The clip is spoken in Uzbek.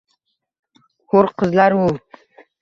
— Hur qizlar-u-u-u!..